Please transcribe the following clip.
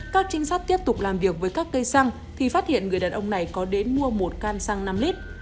các trinh sát tiếp tục làm việc với các cây xăng thì phát hiện người đàn ông này có đến mua một can xăng năm lít